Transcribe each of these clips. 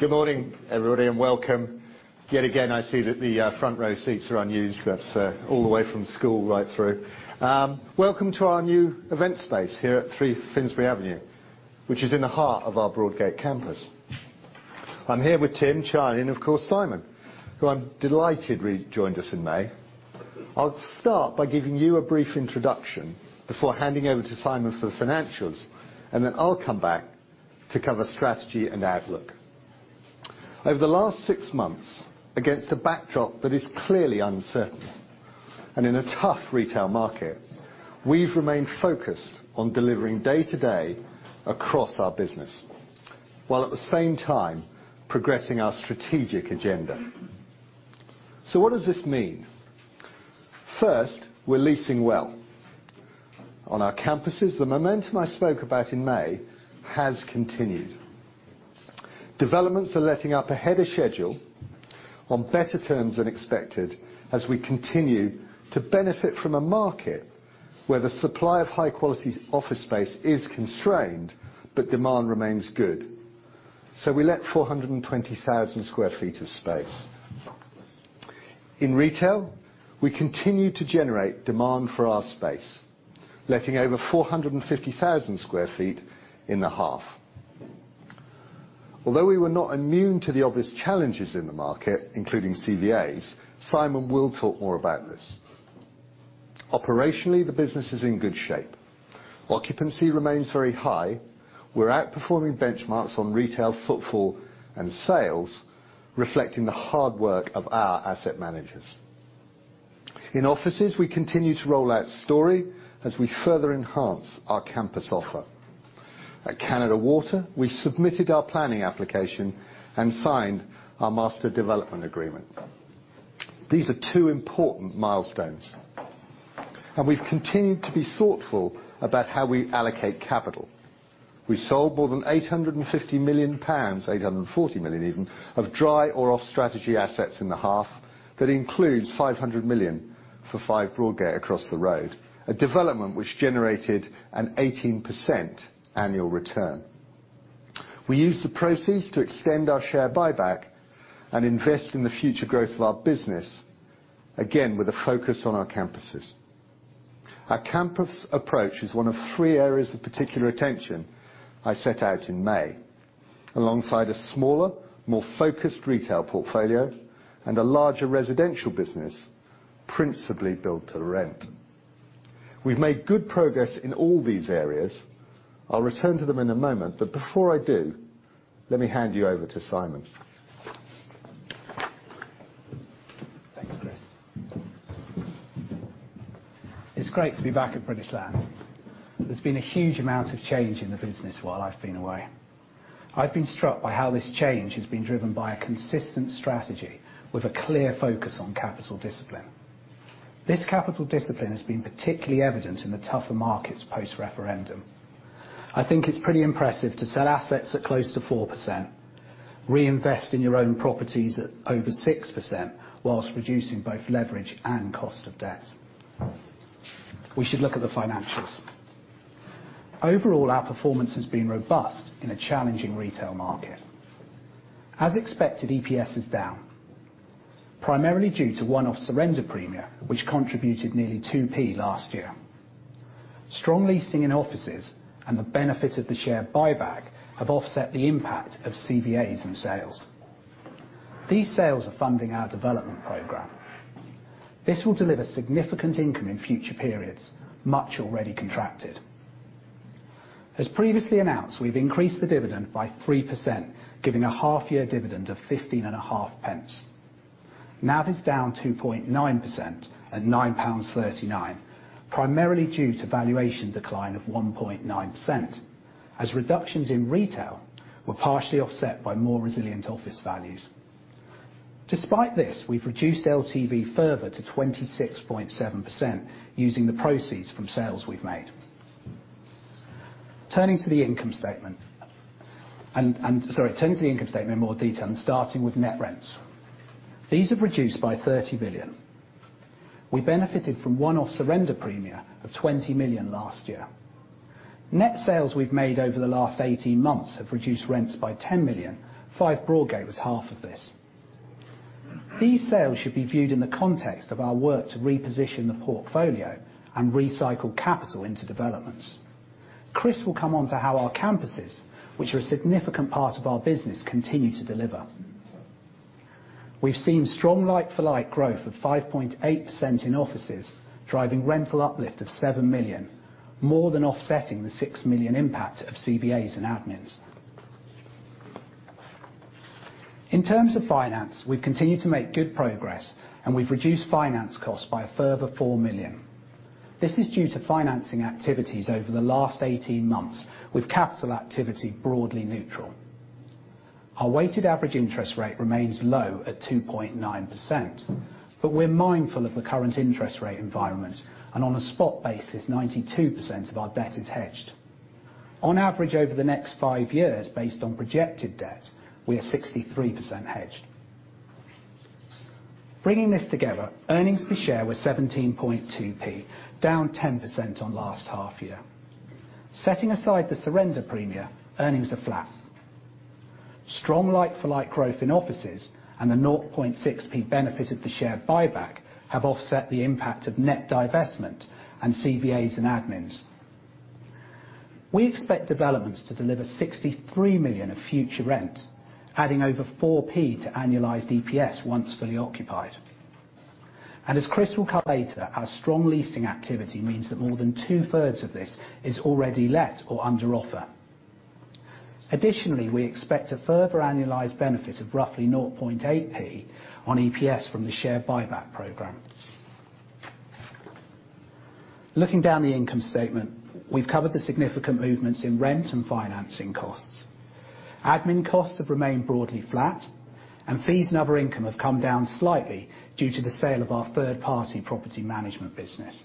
Good morning, everybody, and welcome. Yet again, I see that the front row seats are unused. That's all the way from school right through. Welcome to our new event space here at 3 Finsbury Avenue, which is in the heart of our Broadgate campus. I am here with Tim, Charlie, and of course Simon, who I am delighted re-joined us in May. I will start by giving you a brief introduction before handing over to Simon for the financials, then I will come back to cover strategy and outlook. Over the last six months, against a backdrop that is clearly uncertain, and in a tough retail market, we have remained focused on delivering day-to-day across our business, while at the same time progressing our strategic agenda. What does this mean? First, we are leasing well. On our campuses, the momentum I spoke about in May has continued. Developments are letting up ahead of schedule on better terms than expected, as we continue to benefit from a market where the supply of high-quality office space is constrained, demand remains good. We let 420,000 sq ft of space. In retail, we continue to generate demand for our space, letting over 450,000 sq ft in the half. Although we were not immune to the obvious challenges in the market, including CVAs, Simon will talk more about this. Operationally, the business is in good shape. Occupancy remains very high. We are outperforming benchmarks on retail footfall and sales, reflecting the hard work of our asset managers. In offices, we continue to roll out Storey as we further enhance our campus offer. At Canada Water, we have submitted our planning application and signed our master development agreement. These are two important milestones. We have continued to be thoughtful about how we allocate capital. We sold more than 850 million pounds, 840 million even, of dry or off-strategy assets in the half. That includes 500 million for 5 Broadgate across the road, a development which generated an 18% annual return. We used the proceeds to extend our share buyback and invest in the future growth of our business, again, with a focus on our campuses. Our campus approach is one of three areas of particular attention I set out in May, alongside a smaller, more focused retail portfolio and a larger residential business principally Build-To-Rent. We have made good progress in all these areas. I will return to them in a moment, before I do, let me hand you over to Simon. Thanks, Chris. It is great to be back at British Land. There has been a huge amount of change in the business while I have been away. I have been struck by how this change has been driven by a consistent strategy with a clear focus on capital discipline. This capital discipline has been particularly evident in the tougher markets post-referendum. I think it is pretty impressive to sell assets at close to 4%, reinvest in your own properties at over 6%, whilst reducing both leverage and cost of debt. We should look at the financials. Overall, our performance has been robust in a challenging retail market. As expected, EPS is down, primarily due to one-off surrender premia, which contributed nearly 0.02 last year. Strong leasing in offices and the benefit of the share buyback have offset the impact of CVAs and sales. These sales are funding our development program. This will deliver significant income in future periods, much already contracted. As previously announced, we have increased the dividend by 3%, giving a half year dividend of 0.155. NAV is down 2.9% at 9.39 pounds, primarily due to valuation decline of 1.9%, as reductions in retail were partially offset by more resilient office values. Despite this, we have reduced LTV further to 26.7% using the proceeds from sales we have made. Turning to the income statement in more detail and starting with net rents. These have reduced by 30 million. We benefited from one-off surrender premia of 20 million last year. Net sales we have made over the last 18 months have reduced rents by 10 million. 5 Broadgate was half of this. These sales should be viewed in the context of our work to reposition the portfolio and recycle capital into developments. Chris will come on to how our campuses, which are a significant part of our business, continue to deliver. We have seen strong like-for-like growth of 5.8% in offices, driving rental uplift of 7 million, more than offsetting the 6 million impact of CVAs and admins. In terms of finance, we have continued to make good progress, and we have reduced finance costs by a further 4 million. This is due to financing activities over the last 18 months with capital activity broadly neutral. Our weighted average interest rate remains low at 2.9%, but we are mindful of the current interest rate environment, and on a spot basis, 92% of our debt is hedged. On average over the next five years, based on projected debt, we are 63% hedged. Bringing this together, earnings per share were 0.172, down 10% on last half year. Setting aside the surrender premia, earnings are flat. Strong like-for-like growth in offices and the 0.006 benefit of the share buyback have offset the impact of net divestment and CVAs and admins. We expect developments to deliver 63 million of future rent, adding over 0.04 to annualized EPS once fully occupied. As Chris will cover later, our strong leasing activity means that more than 2/3 of this is already let or under offer. Additionally, we expect a further annualized benefit of roughly 0.008 on EPS from the share buyback program. Looking down the income statement, we have covered the significant movements in rent and financing costs. Admin costs have remained broadly flat, and fees and other income have come down slightly due to the sale of our third-party property management business.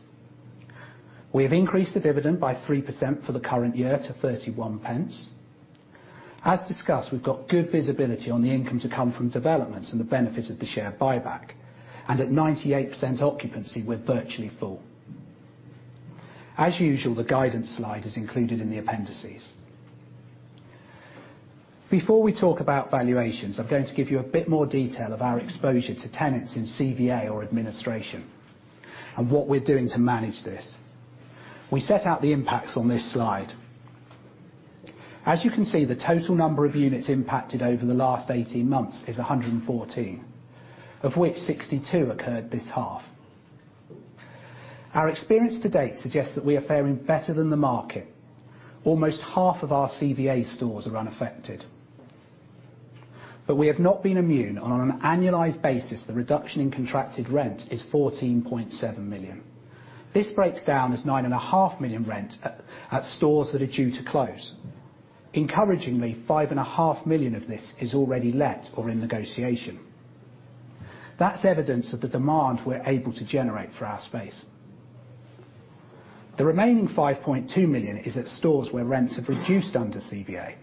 We have increased the dividend by 3% for the current year to 0.31. As discussed, we have got good visibility on the income to come from developments and the benefit of the share buyback. At 98% occupancy, we are virtually full. As usual, the guidance slide is included in the appendices. Before we talk about valuations, I am going to give you a bit more detail of our exposure to tenants in CVA or administration and what we are doing to manage this. We set out the impacts on this slide. As you can see, the total number of units impacted over the last 18 months is 114, of which 62 occurred this half. Our experience to date suggests that we are faring better than the market. Almost half of our CVA stores are unaffected. But we have not been immune, and on an annualized basis, the reduction in contracted rent is 14.7 million. This breaks down as 9.5 million rent at stores that are due to close. Encouragingly, 5.5 million of this is already let or in negotiation. That's evidence of the demand we're able to generate for our space. The remaining 5.2 million is at stores where rents have reduced under CVA.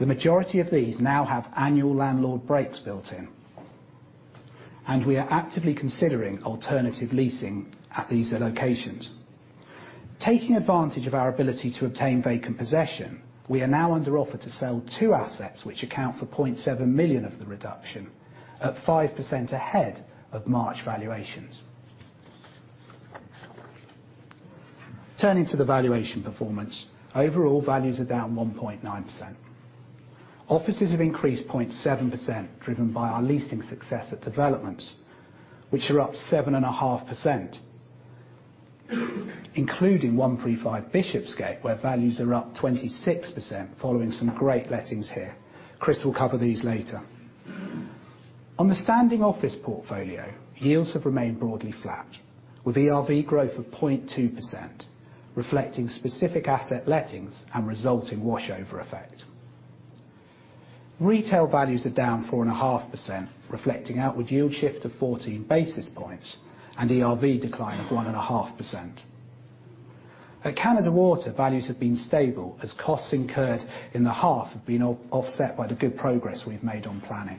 The majority of these now have annual landlord breaks built in, and we are actively considering alternative leasing at these locations. Taking advantage of our ability to obtain vacant possession, we are now under offer to sell two assets which account for 0.7 million of the reduction at 5% ahead of March valuations. Turning to the valuation performance, overall values are down 1.9%. Offices have increased 0.7%, driven by our leasing success at developments, which are up 7.5%, including 135 Bishopsgate, where values are up 26% following some great lettings here. Chris will cover these later. On the standing office portfolio, yields have remained broadly flat with ERV growth of 0.2%, reflecting specific asset lettings and resulting wash over effect. Retail values are down 4.5%, reflecting outward yield shift of 14 basis points and ERV decline of 1.5%. At Canada Water, values have been stable as costs incurred in the half have been offset by the good progress we've made on planning.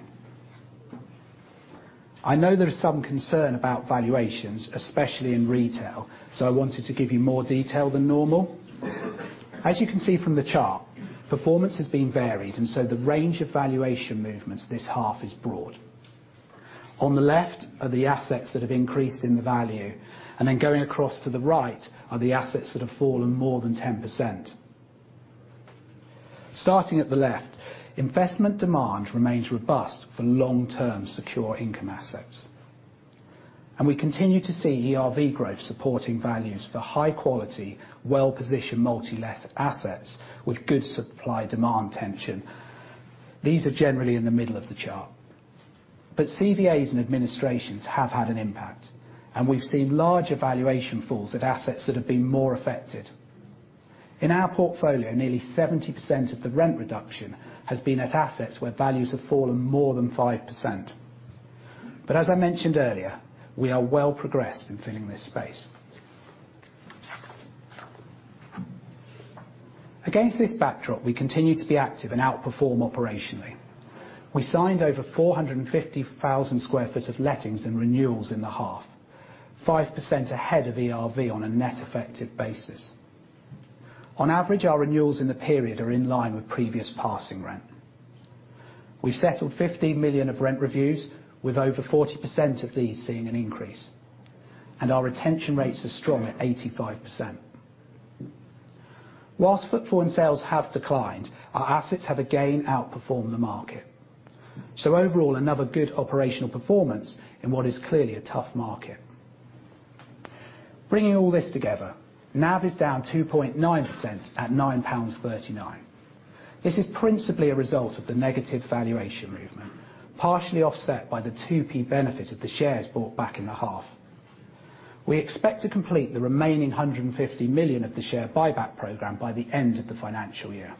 I know there is some concern about valuations, especially in retail, so I wanted to give you more detail than normal. As you can see from the chart, performance has been varied. The range of valuation movements this half is broad. On the left are the assets that have increased in the value. Going across to the right are the assets that have fallen more than 10%. Starting at the left, investment demand remains robust for long-term secure income assets. We continue to see ERV growth supporting values for high quality, well-positioned multi-let assets with good supply-demand tension. These are generally in the middle of the chart. CVAs and administrations have had an impact, and we've seen larger valuation falls at assets that have been more affected. In our portfolio, nearly 70% of the rent reduction has been at assets where values have fallen more than 5%. As I mentioned earlier, we are well progressed in filling this space. Against this backdrop, we continue to be active and outperform operationally. We signed over 450,000 sq ft of lettings and renewals in the half, 5% ahead of ERV on a net effective basis. On average, our renewals in the period are in line with previous passing rent. We've settled 15 million of rent reviews, with over 40% of these seeing an increase, and our retention rates are strong at 85%. Whilst footprint sales have declined, our assets have again outperformed the market. Overall, another good operational performance in what is clearly a tough market. Bringing all this together, NAV is down 2.9% at 9.39 pounds. This is principally a result of the negative valuation movement, partially offset by the 0.02 benefit of the shares bought back in the half. We expect to complete the remaining 150 million of the share buyback program by the end of the financial year.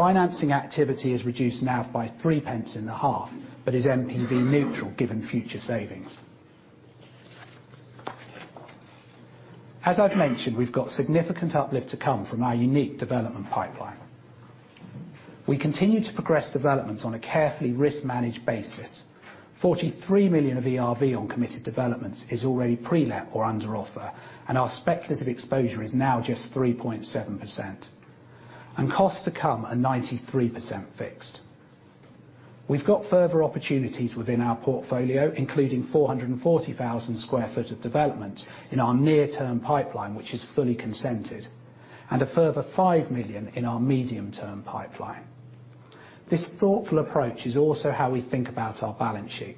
Financing activity has reduced NAV by 0.03 in the half, but is NPV neutral given future savings. As I've mentioned, we've got significant uplift to come from our unique development pipeline. We continue to progress developments on a carefully risk-managed basis. 43 million of ERV on committed developments is already pre-let or under offer, our speculative exposure is now just 3.7%. Costs to come are 93% fixed. We've got further opportunities within our portfolio, including 440,000 sq ft of development in our near-term pipeline, which is fully consented, and a further 5 million in our medium-term pipeline. This thoughtful approach is also how we think about our balance sheet.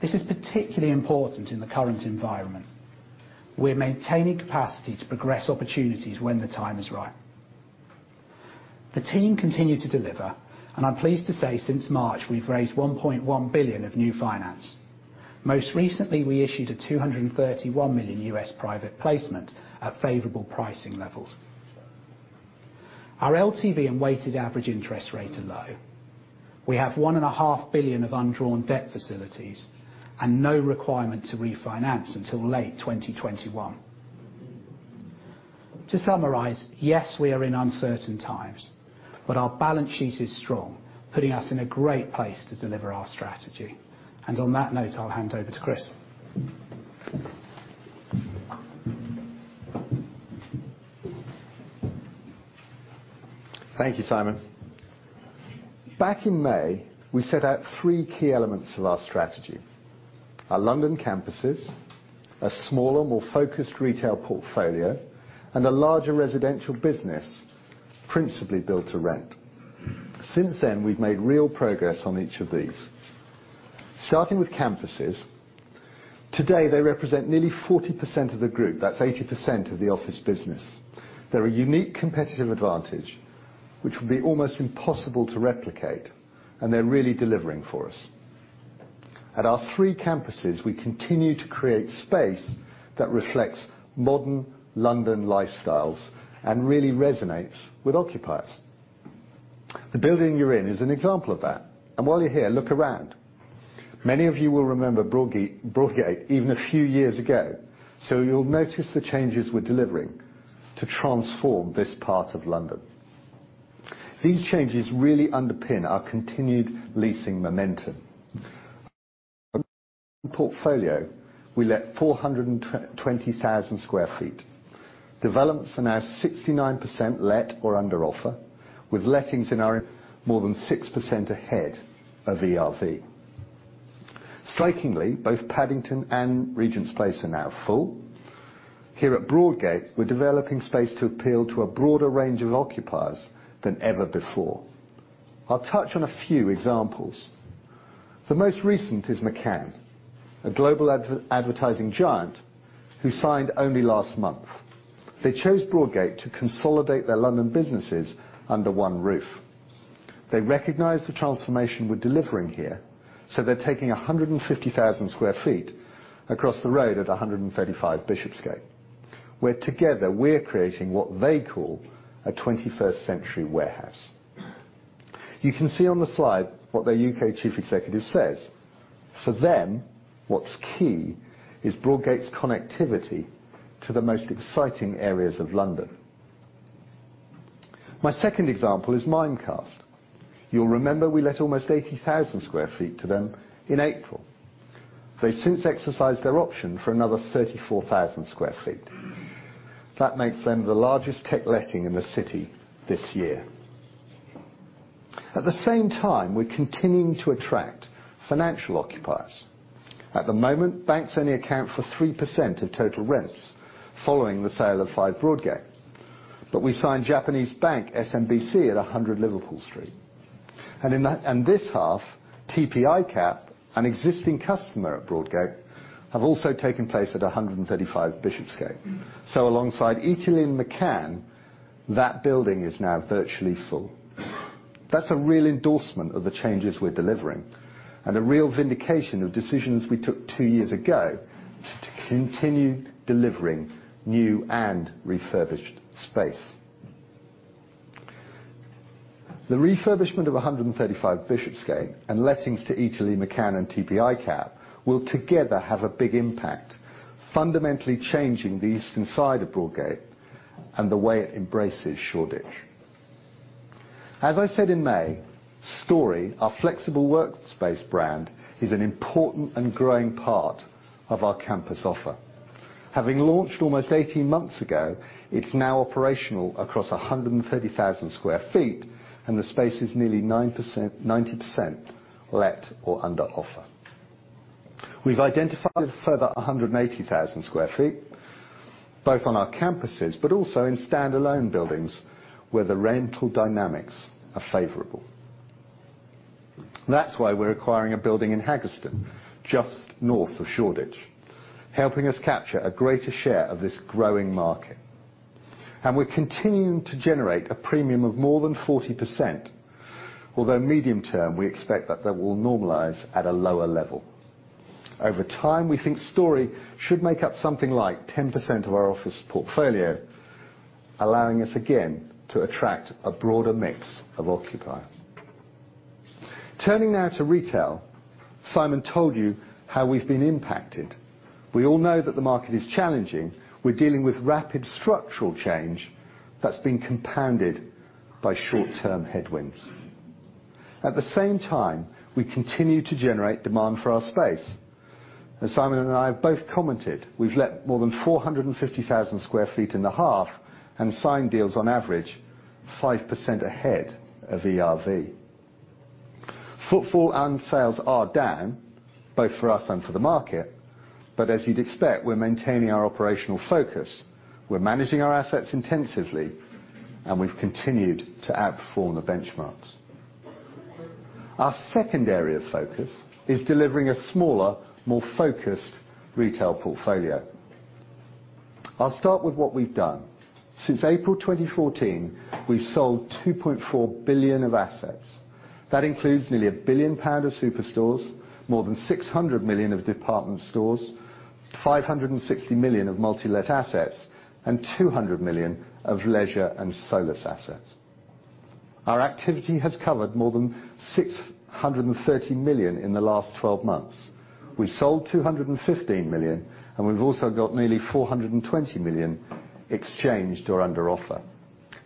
This is particularly important in the current environment. We're maintaining capacity to progress opportunities when the time is right. The team continue to deliver, and I'm pleased to say, since March, we've raised 1.1 billion of new finance. Most recently, we issued a $231 million U.S. private placement at favorable pricing levels. Our LTV and weighted average interest rate are low. We have 1.5 billion of undrawn debt facilities and no requirement to refinance until late 2021. To summarize, yes, we are in uncertain times, but our balance sheet is strong, putting us in a great place to deliver our strategy. On that note, I'll hand over to Chris. Thank you, Simon. Back in May, we set out three key elements of our strategy, our London campuses, a smaller, more focused retail portfolio, and a larger residential business principally Build-To-Rent. Since then, we've made real progress on each of these. Starting with campuses, today they represent nearly 40% of the group. That's 80% of the office business. They're a unique competitive advantage, which would be almost impossible to replicate, and they're really delivering for us. At our three campuses, we continue to create space that reflects modern London lifestyles and really resonates with occupiers. The building you're in is an example of that. While you're here, look around. Many of you will remember Broadgate even a few years ago, so you'll notice the changes we're delivering to transform this part of London. These changes really underpin our continued leasing momentum. In portfolio, we let 420,000 sq ft. Developments are now 69% let or under offer, with lettings in our more than 6% ahead of ERV. Strikingly, both Paddington and Regent's Place are now full. Here at Broadgate, we're developing space to appeal to a broader range of occupiers than ever before. I'll touch on a few examples. The most recent is McCann, a global advertising giant who signed only last month. They chose Broadgate to consolidate their London businesses under one roof. They recognize the transformation we're delivering here, so they're taking 150,000 sq ft across the road at 135 Bishopsgate, where together we're creating what they call a 21st century warehouse. You can see on the slide what their U.K. chief executive says. For them, what's key is Broadgate's connectivity to the most exciting areas of London. My second example is Mimecast. You'll remember we let almost 80,000 sq ft to them in April. They since exercised their option for another 34,000 sq ft. That makes them the largest tech letting in the city this year. We're continuing to attract financial occupiers. At the moment, banks only account for 3% of total rents following the sale of 5 Broadgate. We signed Japanese bank SMBC at 100 Liverpool Street. In this half, TP ICAP, an existing customer at Broadgate, have also taken place at 135 Bishopsgate. Alongside Eataly and McCann, that building is now virtually full. That's a real endorsement of the changes we're delivering and a real vindication of decisions we took two years ago to continue delivering new and refurbished space. The refurbishment of 135 Bishopsgate and lettings to Eataly, McCann and TP ICAP will together have a big impact, fundamentally changing the eastern side of Broadgate and the way it embraces Shoreditch. As I said in May, Storey, our flexible workspace brand, is an important and growing part of our campus offer. Having launched almost 18 months ago, it's now operational across 130,000 sq ft, and the space is nearly 90% let or under offer. We've identified a further 180,000 sq ft, both on our campuses, also in stand-alone buildings where the rental dynamics are favorable. That's why we're acquiring a building in Haggerston, just north of Shoreditch, helping us capture a greater share of this growing market. We're continuing to generate a premium of more than 40%, although medium term, we expect that that will normalize at a lower level. Over time, we think Storey should make up something like 10% of our office portfolio, allowing us, again, to attract a broader mix of occupiers. Turning now to retail, Simon told you how we've been impacted. We all know that the market is challenging. We're dealing with rapid structural change that's been compounded by short-term headwinds. We continue to generate demand for our space. As Simon and I have both commented, we've let more than 450,000 sq ft in the half and signed deals on average 5% ahead of ERV. Footfall and sales are down, both for us and for the market. As you'd expect, we're maintaining our operational focus. We're managing our assets intensively. We've continued to outperform the benchmarks. Our second area of focus is delivering a smaller, more focused retail portfolio. I'll start with what we've done. Since April 2014, we've sold 2.4 billion of assets. That includes nearly 1 billion pound of superstores, more than 600 million of department stores, 560 million of multi-let assets, 200 million of leisure and solus assets. Our activity has covered more than 630 million in the last 12 months. We've sold 215 million. We've also got nearly 420 million exchanged or under offer.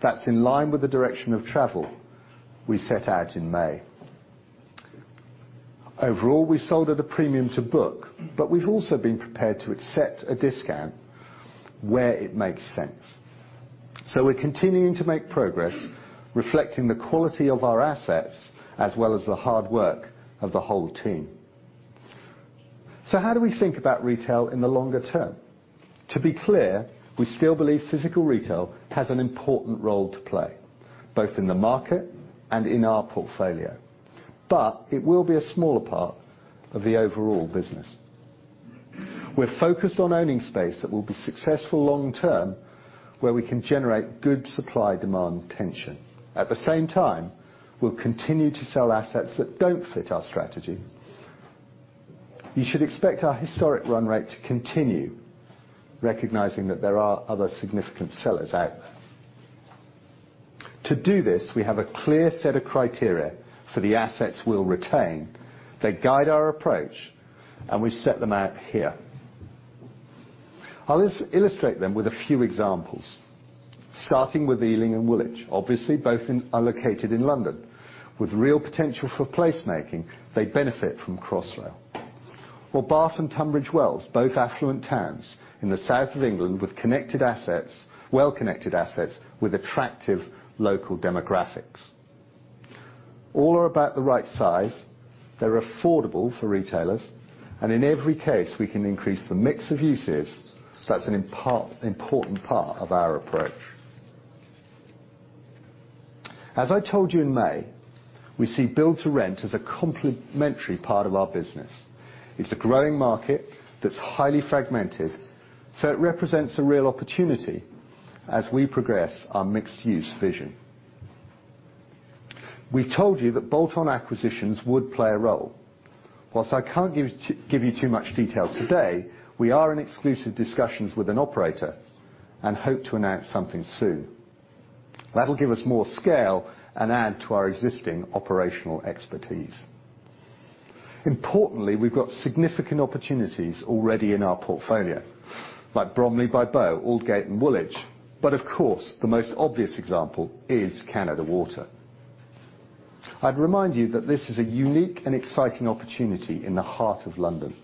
That's in line with the direction of travel we set out in May. Overall, we sold at a premium to book. We've also been prepared to accept a discount where it makes sense. We're continuing to make progress, reflecting the quality of our assets as well as the hard work of the whole team. How do we think about retail in the longer term? To be clear, we still believe physical retail has an important role to play, both in the market and in our portfolio, but it will be a smaller part of the overall business. We're focused on owning space that will be successful long term, where we can generate good supply-demand tension. At the same time, we'll continue to sell assets that don't fit our strategy. You should expect our historic run rate to continue, recognizing that there are other significant sellers out there. To do this, we have a clear set of criteria for the assets we'll retain that guide our approach, and we set them out here. I'll illustrate them with a few examples, starting with Ealing and Woolwich. Obviously, both are located in London. With real potential for place-making, they benefit from Crossrail. Bath and Tunbridge Wells, both affluent towns in the south of England with well-connected assets with attractive local demographics. All are about the right size. They're affordable for retailers, and in every case, we can increase the mix of uses. That's an important part of our approach. As I told you in May, we see Build-To-Rent as a complementary part of our business. It's a growing market that's highly fragmented, so it represents a real opportunity as we progress our mixed-use vision. We told you that bolt-on acquisitions would play a role. Whilst I can't give you too much detail today, we are in exclusive discussions with an operator and hope to announce something soon. That'll give us more scale and add to our existing operational expertise. Importantly, we've got significant opportunities already in our portfolio, like Bromley by Bow, Aldgate and Woolwich, but of course, the most obvious example is Canada Water. I'd remind you that this is a unique and exciting opportunity in the heart of London.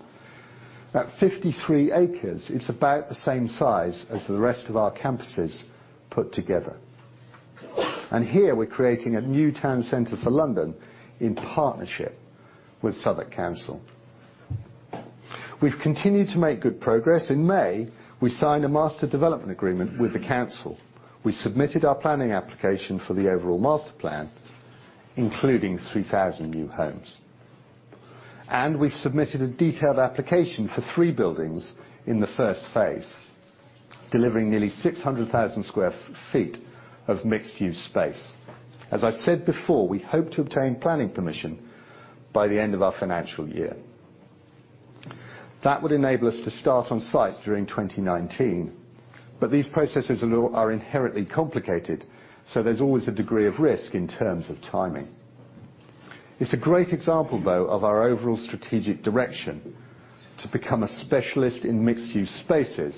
At 53 acres, it's about the same size as the rest of our campuses put together. Here we're creating a new town center for London in partnership with Southwark Council. We've continued to make good progress. In May, we signed a master development agreement with the council. We submitted our planning application for the overall master plan, including 3,000 new homes. We've submitted a detailed application for three buildings in the first phase, delivering nearly 600,000 sq ft of mixed-use space. As I said before, we hope to obtain planning permission by the end of our financial year. That would enable us to start on site during 2019, but these processes are inherently complicated, so there's always a degree of risk in terms of timing. It's a great example, though, of our overall strategic direction to become a specialist in mixed-use spaces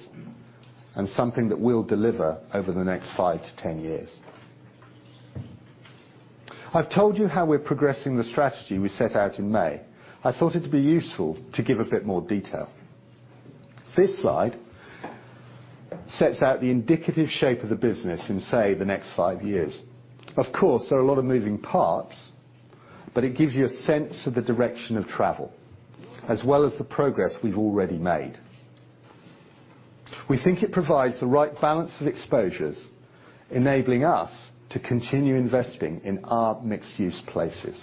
and something that we'll deliver over the next 5-10 years. I've told you how we're progressing the strategy we set out in May. I thought it'd be useful to give a bit more detail. This slide sets out the indicative shape of the business in, say, the next five years. Of course, there are a lot of moving parts, but it gives you a sense of the direction of travel, as well as the progress we've already made. We think it provides the right balance of exposures, enabling us to continue investing in our mixed-use places.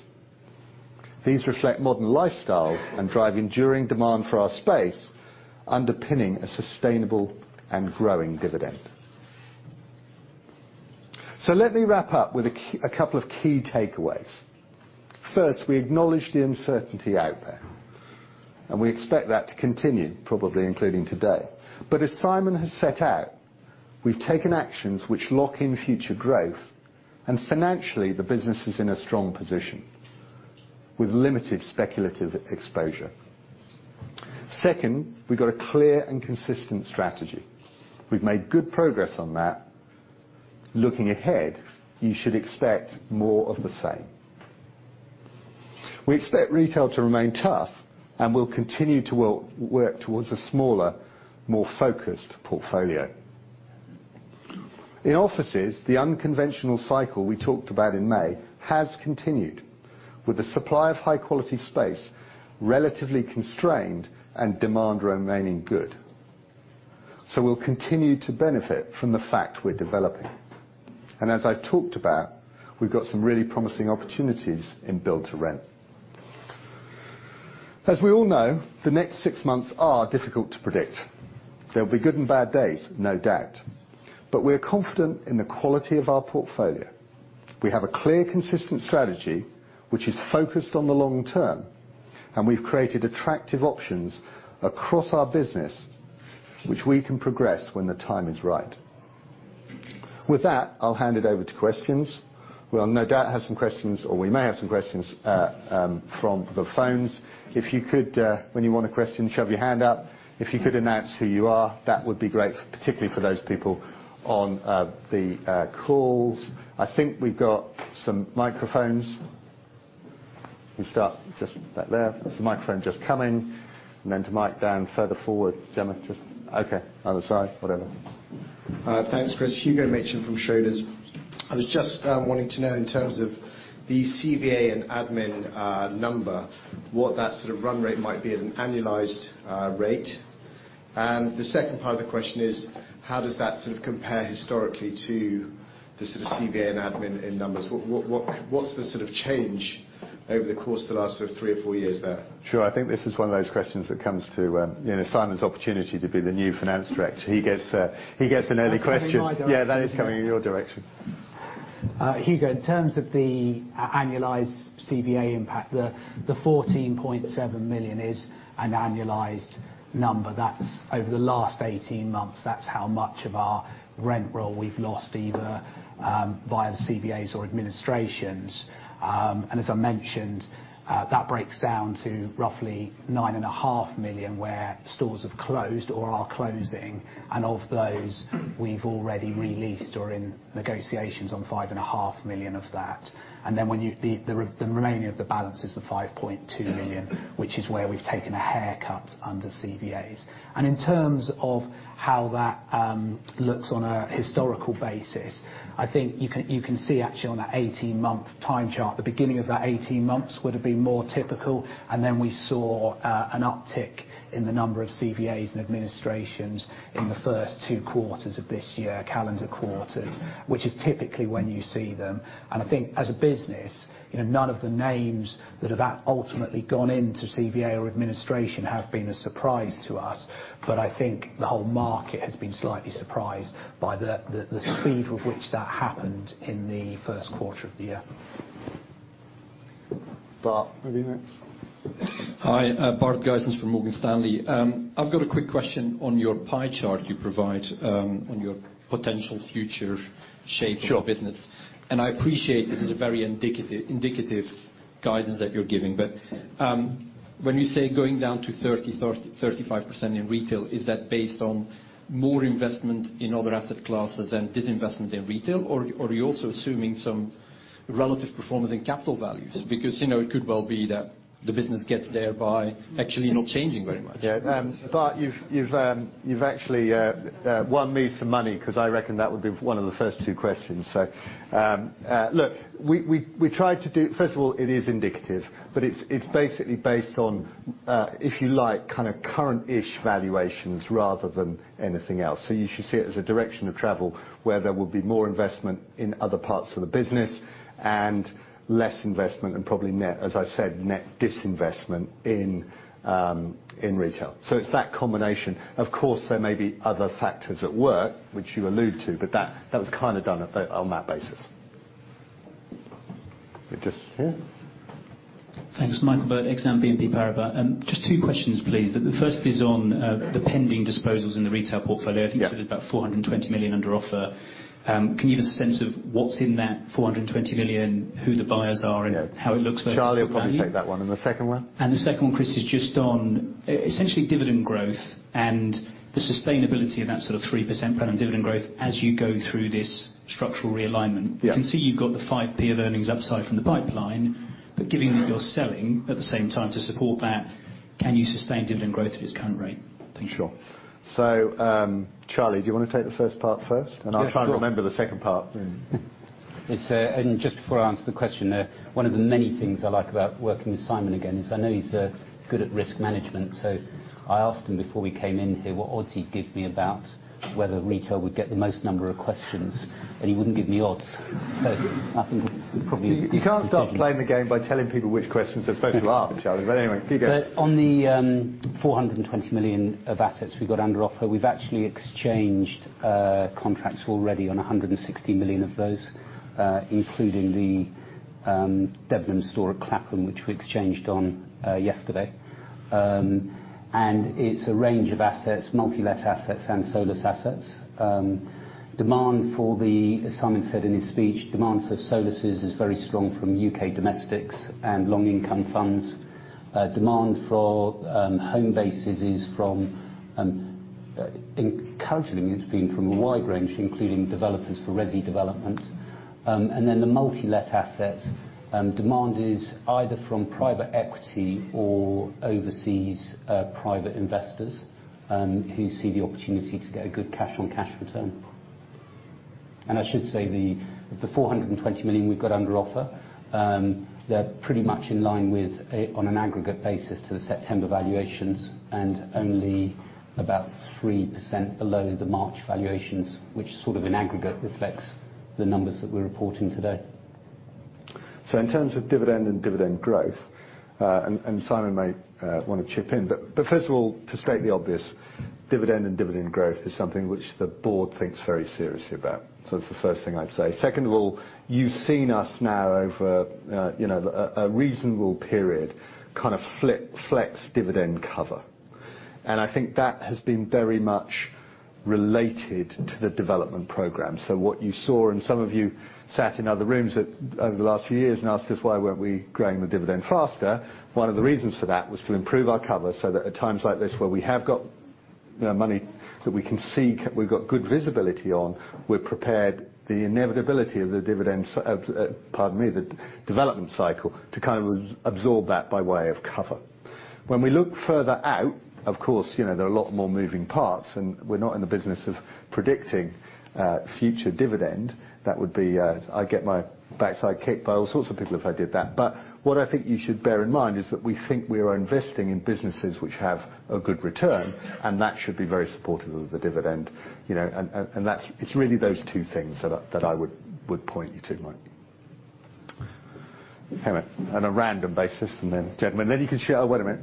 These reflect modern lifestyles and drive enduring demand for our space, underpinning a sustainable and growing dividend. Let me wrap up with a couple of key takeaways. First, we acknowledge the uncertainty out there. We expect that to continue, probably including today. As Simon has set out, we've taken actions which lock in future growth, and financially, the business is in a strong position with limited speculative exposure. Second, we've got a clear and consistent strategy. We've made good progress on that. Looking ahead, you should expect more of the same. We expect retail to remain tough, and we'll continue to work towards a smaller, more focused portfolio. In offices, the unconventional cycle we talked about in May has continued, with the supply of high-quality space relatively constrained and demand remaining good. We'll continue to benefit from the fact we're developing. As I talked about, we've got some really promising opportunities in Build-To-Rent. As we all know, the next six months are difficult to predict. There'll be good and bad days, no doubt. We are confident in the quality of our portfolio. We have a clear, consistent strategy, which is focused on the long term, and we've created attractive options across our business, which we can progress when the time is right. With that, I'll hand it over to questions. We'll no doubt have some questions, or we may have some questions from the phones. If you could, when you want a question, shove your hand up. If you could announce who you are, that would be great, particularly for those people on the calls. I think we've got some microphones. We start just back there. There's a microphone just coming, and then to Mike down further forward. Gemma, just Okay, other side, whatever. Thanks, Chris. Hugo Machin from Schroders. I was just wanting to know in terms of the CVA and admin number, what that sort of run rate might be at an annualized rate. The second part of the question is, how does that sort of compare historically to the sort of CVA and admin in numbers? What's the sort of change over the course of the last sort of three or four years there? Sure. I think this is one of those questions that comes to Simon's opportunity to be the new finance director. He gets an early question. That's coming my direction. Yeah, that is coming in your direction. Hugo, in terms of the annualized CVA impact, the 14.7 million is an annualized number. That's over the last 18 months. That's how much of our rent roll we've lost either via the CVAs or administrations. As I mentioned, that breaks down to roughly 9.5 million where stores have closed or are closing, and of those, we've already re-leased or in negotiations on 5.5 million of that. Then the remaining of the balance is the 5.2 million, which is where we've taken a haircut under CVAs. In terms of how that looks on a historical basis, I think you can see actually on that 18-month time chart, the beginning of that 18 months would have been more typical. Then we saw an uptick in the number of CVAs and administrations in the first two quarters of this year, calendar quarters, which is typically when you see them. I think as a business, none of the names that have ultimately gone into CVA or administration have been a surprise to us. I think the whole market has been slightly surprised by the speed with which that happened in the first quarter of the year. Bart, maybe next. Hi, Bart Gysens from Morgan Stanley. I've got a quick question on your pie chart you provide, on your potential future shape of business. Sure. I appreciate this is very indicative guidance that you're giving. When you say going down to 30%-35% in retail, is that based on more investment in other asset classes and disinvestment in retail? Are you also assuming some relative performance in capital values? It could well be that the business gets there by actually not changing very much. Yeah. Bart Gysens, you've actually won me some money because I reckon that would be one of the first two questions. First of all, it is indicative, but it's basically based on, if you like, kind of current-ish valuations rather than anything else. You should see it as a direction of travel where there will be more investment in other parts of the business and less investment and probably net, as I said, net disinvestment in retail. It's that combination. Of course, there may be other factors at work, which you allude to, but that was kind of done on that basis. We just here. Thanks. Mike Burt, Exane BNP Paribas. Just two questions, please. The first is on the pending disposals in the retail portfolio. Yeah. I think you said there's about 420 million under offer. Can you give us a sense of what's in that 420 million, who the buyers are and how it looks versus value? Yeah. Charlie will probably take that one. The second one? The second one, Chris, is just on essentially dividend growth and the sustainability of that sort of 3% planned dividend growth as you go through this structural realignment. Yeah. I can see you've got the 0.05 of earnings upside from the pipeline, but given that you're selling at the same time to support that, can you sustain dividend growth at its current rate? Thank you. Sure. Charlie, do you want to take the first part first? Yeah, sure. I'll try and remember the second part. Just before I answer the question, one of the many things I like about working with Simon again is I know he's good at risk management. I asked him before we came in here what odds he'd give me about whether retail would get the most number of questions, and he wouldn't give me odds. You can't start playing the game by telling people which questions they're supposed to ask, Charlie. Anyway, if you go. On the 420 million of assets we got under offer, we've actually exchanged contracts already on 160 million of those, including the Debenhams store at Clapham which we exchanged on yesterday. It's a range of assets, multi-let assets and solus assets. Demand for the, as Simon said in his speech, demand for services is very strong from U.K. domestics and long income funds. Demand for Homebase is from, encouraging, it's been from a wide range, including developers for resi development. Then the multi-let assets, demand is either from private equity or overseas private investors who see the opportunity to get a good cash on cash return. I should say, the 420 million we've got under offer, they're pretty much in line with, on an aggregate basis, to the September valuations, and only about 3% below the March valuations, which sort of in aggregate reflects the numbers that we're reporting today. In terms of dividend and dividend growth, and Simon may want to chip in, first of all, to state the obvious, dividend and dividend growth is something which the board thinks very seriously about. That's the first thing I'd say. Second of all, you've seen us now over a reasonable period, kind of flex dividend cover, and I think that has been very much related to the development program. What you saw, and some of you sat in other rooms over the last few years and asked us why weren't we growing the dividend faster, one of the reasons for that was to improve our cover so that at times like this, where we have got money that we can see we've got good visibility on, we've prepared the inevitability of the development cycle to kind of absorb that by way of cover. When we look further out, of course, there are a lot more moving parts, we're not in the business of predicting future dividend. I'd get my backside kicked by all sorts of people if I did that. What I think you should bear in mind is that we think we are investing in businesses which have a good return, that should be very supportive of the dividend. It's really those two things that I would point you to, Mike. On a random basis, and then, gentlemen, then you can share Oh, wait a minute.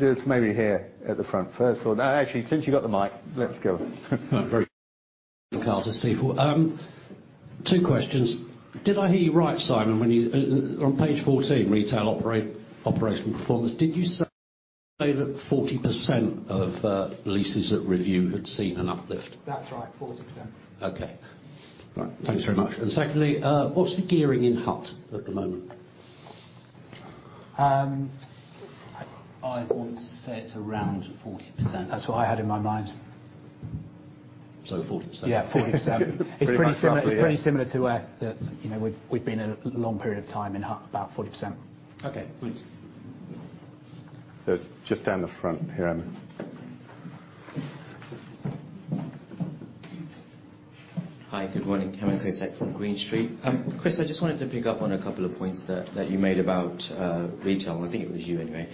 There's maybe here at the front first. No, actually, since you got the mic, let's go. Charlie, Stifel. Two questions. Did I hear you right, Simon, when you, on page 14, retail operational performance, did you say that 40% of leases at review had seen an uplift? That's right, 40%. Okay. Right. Thanks very much. Secondly, what's the gearing in HUT at the moment? I want to say it's around 40%. That's what I had in my mind. 40%. Yeah, 40%. Pretty much, yeah. It's pretty similar to where we've been a long period of time in HUT, about 40%. Okay, thanks. There's just down the front here. Hi, good morning. Hemant Kotak from Green Street. Chris, I just wanted to pick up on a couple of points that you made about retail. I think it was you, anyway.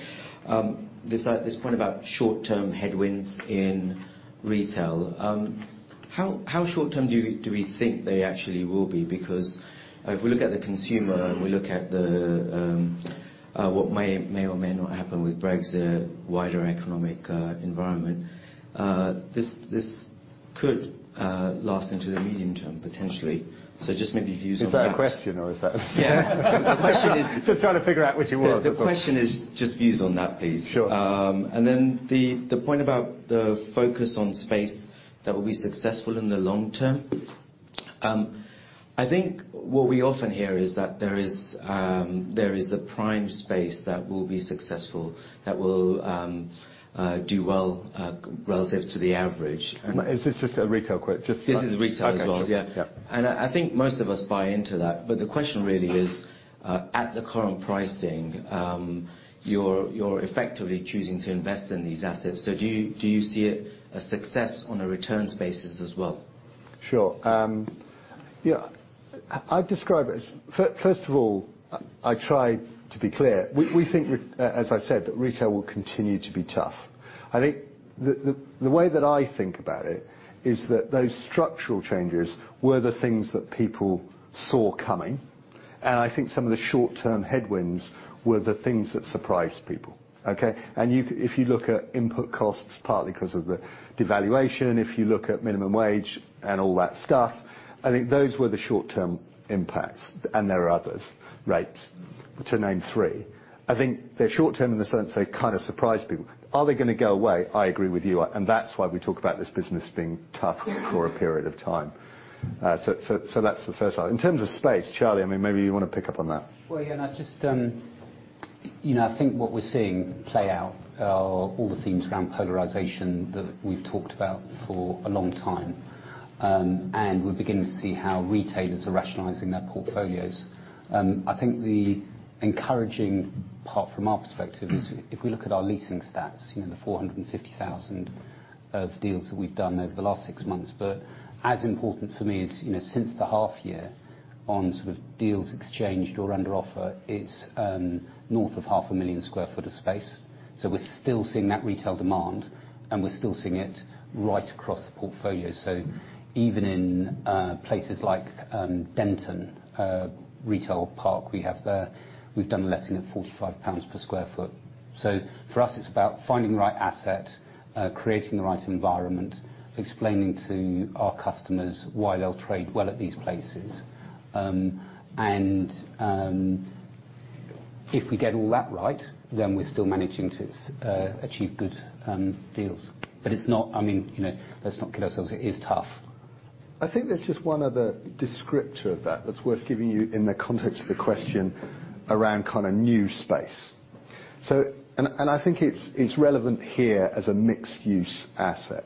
This point is about short-term headwinds in retail. How short-term do we think they actually will be? Because if we look at the consumer and we look at what may or may not happen with Brexit, the wider economic environment, this could last into the medium term, potentially. Just maybe views on that. Is that a question or is that? Yeah. The question is. Just trying to figure out which it was. The question is just views on that, please. Sure. The point about the focus on space that will be successful in the long term. I think what we often hear is that there is the prime space that will be successful, that will do well, relative to the average. Is this just a retail quote? This is retail as well. Okay. Yeah. Yeah. I think most of us buy into that, but the question really is, at the current pricing, you're effectively choosing to invest in these assets. Do you see it a success on a returns basis as well? Sure. I'd describe it as, first of all, I try to be clear. We think, as I said, that retail will continue to be tough. I think the way that I think about it is that those structural changes were the things that people saw coming, and I think some of the short-term headwinds were the things that surprised people. Okay? If you look at input costs, partly because of the devaluation, if you look at minimum wage and all that stuff, I think those were the short-term impacts, and there are others, right? To name three. I think they're short term in the sense they kind of surprise people. Are they going to go away? I agree with you, and that's why we talk about this business being tough for a period of time. That's the first part. In terms of space, Charlie, maybe you want to pick up on that. Well, Hemant, I think what we're seeing play out are all the themes around polarization that we've talked about for a long time. We begin to see how retailers are rationalizing their portfolios. I think the encouraging part from our perspective is if we look at our leasing stats, the 450,000 of deals that we've done over the last six months, as important for me is since the half year on sort of deals exchanged or under offer, it's north of 500,000 sq ft of space. We're still seeing that retail demand and we're still seeing it right across the portfolio. Even in places like Denton Retail Park, we have there, we've done letting at 45 pounds per sq ft. For us, it's about finding the right asset, creating the right environment, explaining to our customers why they'll trade well at these places. If we get all that right, we're still managing to achieve good deals. Let's not kid ourselves. It is tough. I think there's just one other descriptor that's worth giving you in the context of the question around new space. I think it's relevant here as a mixed use asset.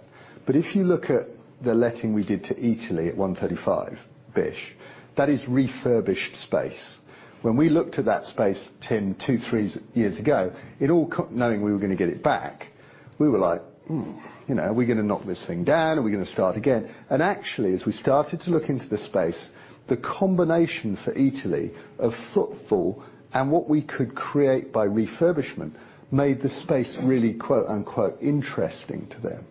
If you look at the letting we did to Eataly at 135 Bishopsgate, that is refurbished space. When we looked at that space, Tim, two, three years ago, knowing we were going to get it back, we were like, "Hmm, are we going to knock this thing down? Are we going to start again?" Actually, as we started to look into the space, the combination for Eataly of footfall and what we could create by refurbishment made the space really, quote unquote, "interesting to them,"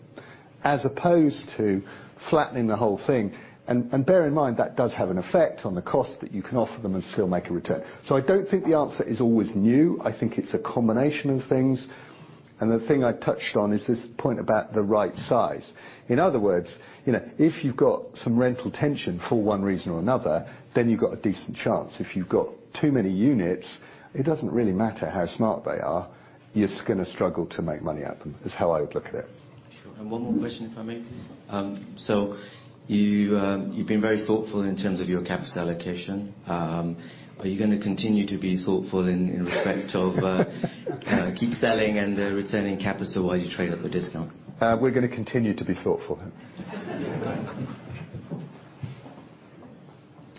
as opposed to flattening the whole thing. Bear in mind, that does have an effect on the cost that you can offer them and still make a return. I don't think the answer is always new. I think it's a combination of things. The thing I touched on is this point about the right size. In other words, if you've got some rental tension for one reason or another, then you've got a decent chance. If you've got too many units, it doesn't really matter how smart they are, you're just going to struggle to make money at them, is how I would look at it. Sure. One more question, if I may, please. You've been very thoughtful in terms of your capital allocation. Are you going to continue to be thoughtful in respect of keep selling and returning capital while you trade up the discount? We're going to continue to be thoughtful.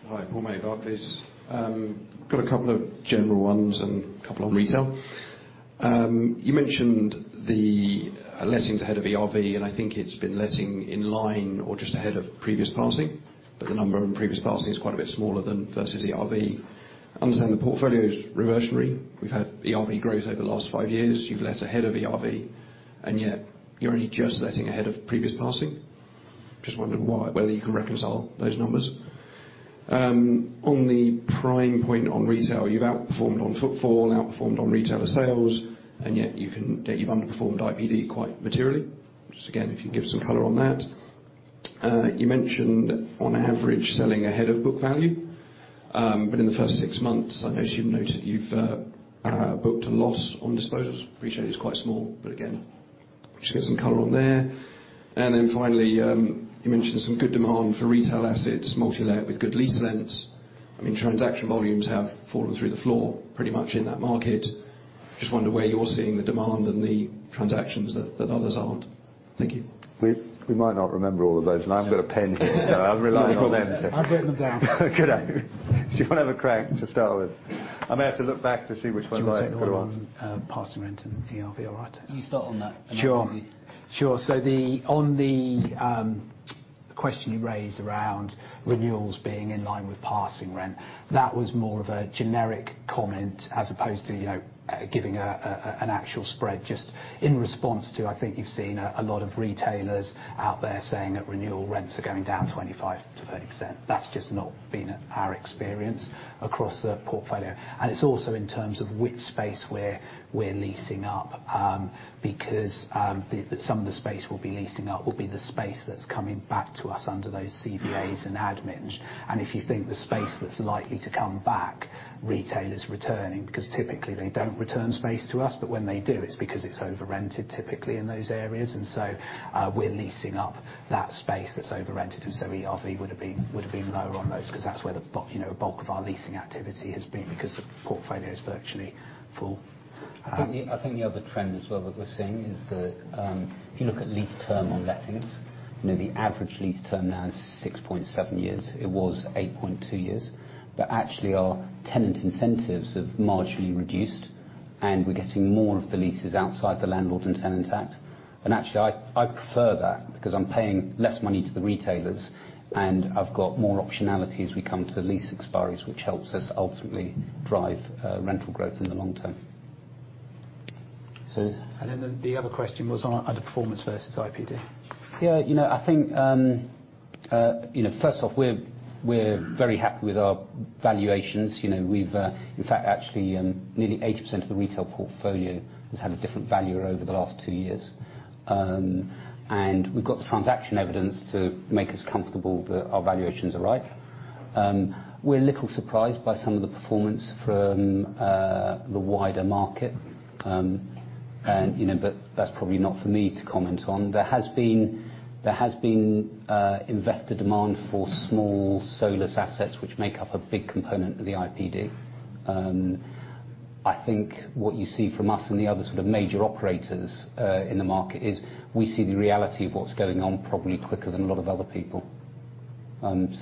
Hi, Paul May, Barclays. Got a couple of general ones and a couple on retail. You mentioned the lettings ahead of ERV, and I think it's been letting in line or just ahead of previous passing, but the number on previous passing is quite a bit smaller than versus ERV. Understand the portfolio's reversionary. We've had ERV growth over the last five years. You've let ahead of ERV, and yet you're only just letting ahead of previous passing. Just wondering why, whether you can reconcile those numbers. On the prime point on retail, you've outperformed on footfall, outperformed on retailer sales, and yet you've underperformed IPD quite materially. Just again, if you give some color on that. You mentioned on average selling ahead of book value. But in the first six months, I notice you've noted you've booked a loss on disposals. Appreciate it's quite small, but again, just get some color on there. Finally, you mentioned some good demand for retail assets, multi-let with good lease lengths. Transaction volumes have fallen through the floor pretty much in that market. Just wonder where you're seeing the demand and the transactions that others aren't. Thank you. We might not remember all of those, and I haven't got a pen here. I'll be relying on them to. I've written them down. Good. Do you want to have a crack to start with? I may have to look back to see which ones I could have answered. Do you want to take the one on passing rent and ERV all right? You start on that and then maybe. Sure. On the question you raised around renewals being in line with passing rent, that was more of a generic comment as opposed to giving an actual spread, just in response to, I think you've seen a lot of retailers out there saying that renewal rents are going down 25%-30%. That's just not been our experience across the portfolio. It's also in terms of which space we're leasing up, because some of the space we'll be leasing up will be the space that's coming back to us under those CVAs and admins. If you think the space that's likely to come back, retailer's returning, because typically they don't return space to us, but when they do, it's because it's overrented typically in those areas. We're leasing up that space that's overrented, and so ERV would have been lower on those because that's where the bulk of our leasing activity has been, because the portfolio is virtually full. I think the other trend as well that we're seeing is that, if you look at lease term on lettings, the average lease term now is 6.7 years. It was 8.2 years. Actually, our tenant incentives have marginally reduced, and we're getting more of the leases outside the Landlord and Tenant Act. Actually, I prefer that, because I'm paying less money to the retailers and I've got more optionality as we come to lease expiries, which helps us to ultimately drive rental growth in the long term. The other question was on underperformance versus IPD. Yeah. First off, we are very happy with our valuations. In fact, actually, nearly 80% of the retail portfolio has had a different valuer over the last two years. We have got the transaction evidence to make us comfortable that our valuations are right. We are a little surprised by some of the performance from the wider market. That is probably not for me to comment on. There has been investor demand for small, solus assets which make up a big component of the IPD. I think what you see from us and the other major operators in the market is we see the reality of what is going on probably quicker than a lot of other people. There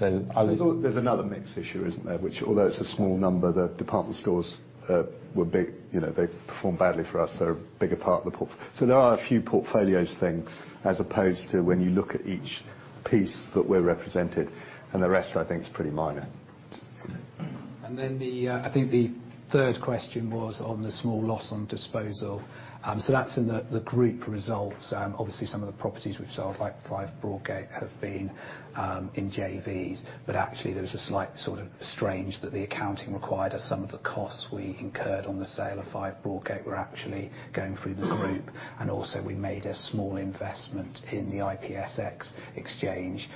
is another mix issue, is not there? Which although it is a small number, the department stores were big. They performed badly for us, they are a bigger part of the port. There are a few portfolio things as opposed to when you look at each piece that we are represented, and the rest I think, is pretty minor. I think the third question was on the small loss on disposal. That is in the group results. Obviously, some of the properties which sold, like 5 Broadgate, have been in JVs, but actually there was a slight sort of strange that the accounting required us some of the costs we incurred on the sale of 5 Broadgate were actually going through the group. Also, we made a small investment in the IPSX exchange,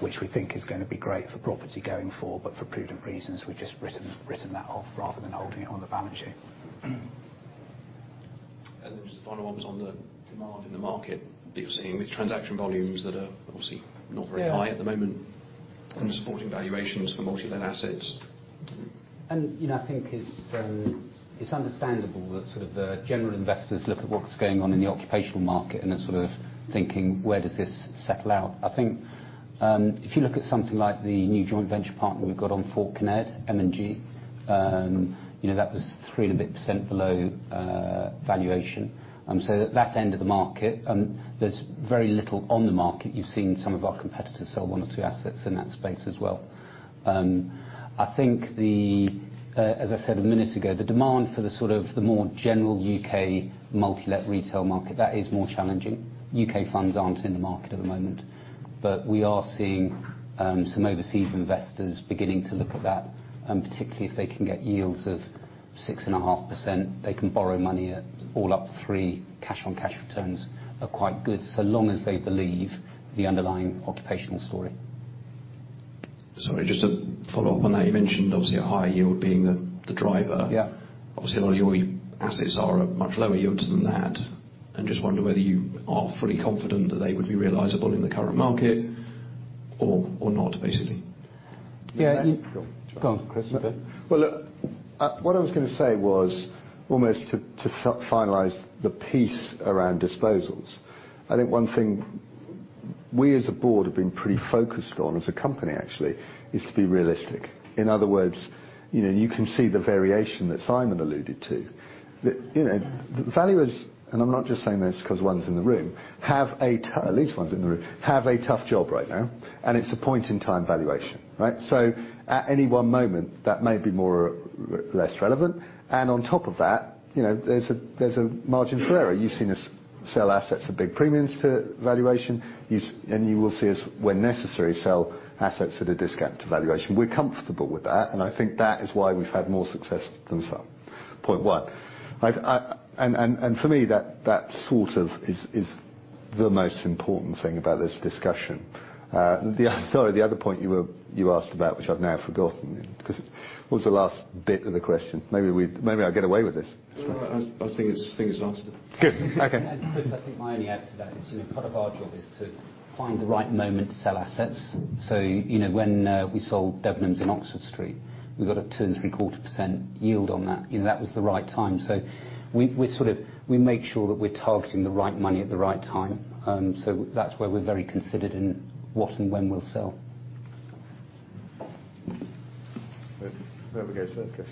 which we think is going to be great for property going forward, but for prudent reasons, we have just written that off rather than holding it on the balance sheet. Just the final one was on the demand in the market that you're seeing with transaction volumes that are obviously not very high- Yeah At the moment, and the supporting valuations for multi-let assets. I think it's understandable that sort of the general investors looks at what's going on in the occupational market and are sort of thinking, where does this settle out? I think, if you look at something like the new joint venture partner we've got on Fort Kinnaird, M&G, that was 3% below valuation. At that end of the market, there's very little on the market. You've seen some of our competitors sell one or two assets in that space as well. I think the, as I said a minute ago, the demand for the sort of the more general U.K. multi-let retail market, that is more challenging. U.K. funds aren't in the market at the moment. We are seeing some overseas investors beginning to look at that, and particularly if they can get yields of 6.5%, they can borrow money at all up 3. Cash-on-cash returns are quite good, so long as they believe the underlying occupational story. Sorry, just to follow up on that. You mentioned obviously a higher yield being the driver. Yeah. A lot of your assets are at much lower yields than that. I just wonder whether you are fully confident that they would be realizable in the current market or not, basically. Yeah. Go on. Go on, Chris. Well, look, what I was going to say was, almost to finalize the piece around disposals. I think one thing we as a board have been pretty focused on as a company, actually, is to be realistic. In other words, you can see the variation that Simon alluded to. The valuers, and I'm not just saying this because one's in the room, at least one's in the room, have a tough job right now, and it's a point-in-time valuation. Right? At any one moment, that may be more or less relevant. On top of that, there's a margin for error. You've seen us sell assets at big premiums to valuation, and you will see us, when necessary, sell assets at a discount to valuation. We're comfortable with that, and I think that is why we've had more success than some. Point one. For me, that sort of is the most important thing about this discussion. Sorry, the other point you asked about, which I've now forgotten, because. What was the last bit of the question? Maybe I'll get away with this. No, I think it's asked. Good. Okay. Chris, I think my only add to that is, part of our job is to find the right moment to sell assets. When we sold Debenhams in Oxford Street, we got a 2.75% yield on that. That was the right time. We make sure that we're targeting the right money at the right time. That's where we're very considered in what and when we'll sell. There we go.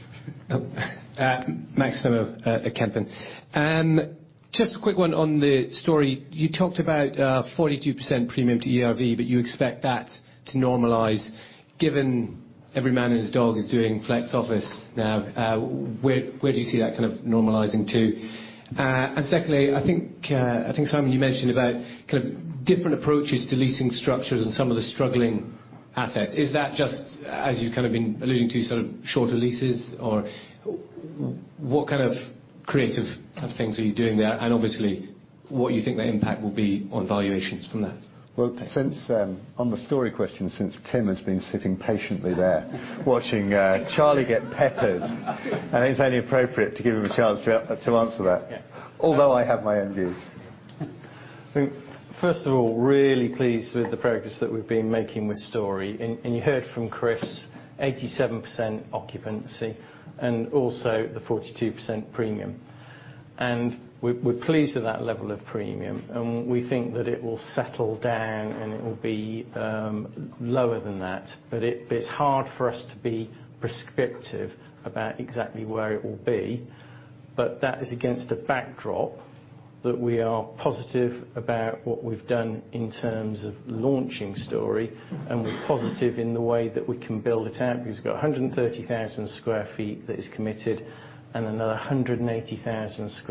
It's okay. Max from Kempen. Just a quick one on the Storey. You talked about a 42% premium to ERV, but you expect that to normalize. Given every man and his dog is doing flex office now, where do you see that kind of normalizing to? Secondly, I think, Simon, you mentioned about different approaches to leasing structures and some of the struggling assets. Is that just as you've kind of been alluding to, sort of shorter leases? What kind of creative things are you doing there? Obviously, what you think the impact will be on valuations from that? Well, since- Thanks -on the Storey question, since Tim has been sitting patiently there watching Charlie get peppered, I think it's only appropriate to give him a chance to answer that. Yeah. I have my own views. I think, first of all, really pleased with the progress that we've been making with Storey. You heard from Chris, 87% occupancy, and also the 42% premium. We're pleased with that level of premium. We think that it will settle down. It will be lower than that. It's hard for us to be prescriptive about exactly where it will be. That is against a backdrop that we are positive about what we've done in terms of launching Storey. We're positive in the way that we can build it out, because we've got 130,000 sq ft that is committed. Sorry, 130,000 sq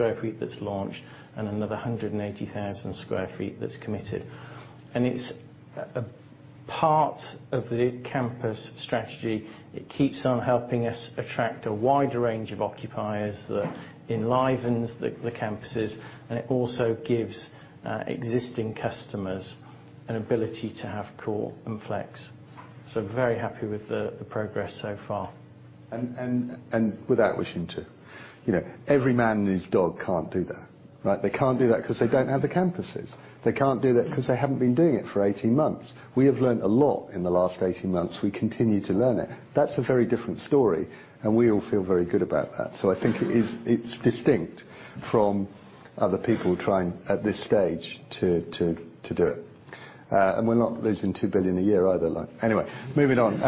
ft that's launched and another 180,000 sq ft that's committed. It's a part of the campus strategy. It keeps on helping us attract a wider range of occupiers that enlivens the campuses. It also gives existing customers an ability to have core and flex. Very happy with the progress so far. Without wishing to. Every man and his dog can't do that. Right? They can't do that because they don't have the campuses. They can't do that because they haven't been doing it for 18 months. We have learned a lot in the last 18 months. We continue to learn it. That's a very different story, and we all feel very good about that. I think it's distinct from other people trying, at this stage, to do it. We're not losing 2 billion a year either. Anyway, moving on.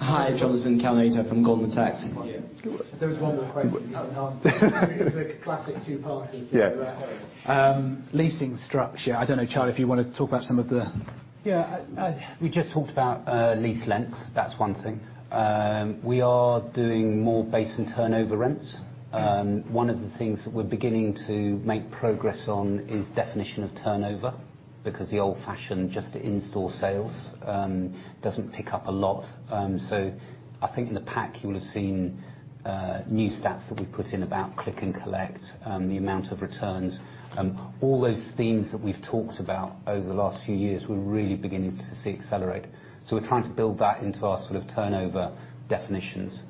Hi, Jonathan Kownator from Goldman Sachs. There was one more question at the house. It was a classic two-parter. Yeah. Leasing structure. I don't know, Charlie, if you want to talk about some of the Yeah. We just talked about lease length. That's one thing. We are doing more base and turnover rents. Yeah. One of the things that we're beginning to make progress on is definition of turnover, because the old-fashioned just in-store sales doesn't pick up a lot. I think in the pack, you will have seen. New stats that we put in about click and collect, the amount of returns. All those themes that we've talked about over the last few years, we're really beginning to see accelerate. We're trying to build that into our sort of turnover definitions.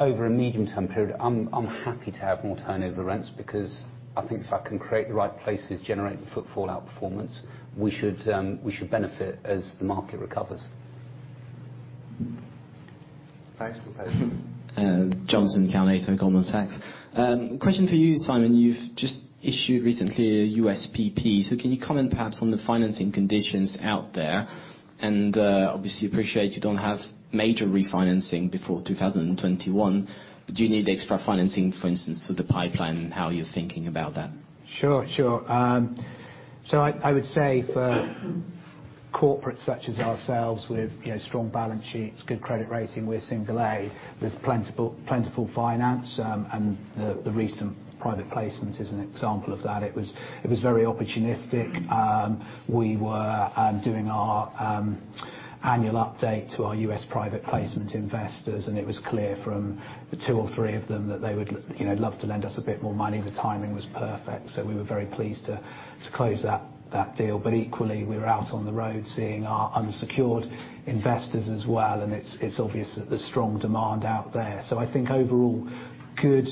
Over a medium-term period, I'm happy to have more turnover rents because I think if I can create the right places, generate the footfall, outperformance, we should benefit as the market recov ers. Thanks. Jonathan Kownator from Goldman Sachs. Question for you, Simon. You've just issued recently a USPP. Can you comment perhaps on the financing conditions out there and obviously appreciate you don't have major refinancing before 2021. Do you need the extra financing, for instance, for the pipeline and how you're thinking about that? Sure, sure. I would say for corporates such as ourselves with, you know, strong balance sheets, good credit rating, we're single A, there's plentiful finance. The recent U.S. private placement is an example of that. It was very opportunistic. We were doing our annual update to our U.S. private placement investors, and it was clear from the two or three of them that they would you know, love to lend us a bit more money. The timing was perfect, so we were very pleased to close that deal. Equally, we were out on the road seeing our unsecured investors as well, and it's obvious that there's strong demand out there. I think overall, good